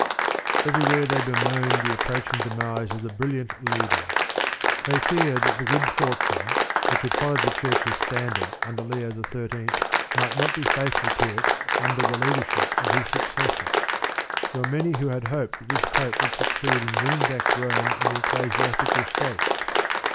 Everywhere they bemoaned the approaching demise of the brilliant leader. They feared that the good fortune which had followed the Church's standard under Leo XIII might not be faithful to it under the leadership of his successor. There were many who had hoped that this Pope would succeed in winning back Rome and the Ecclesiastical States.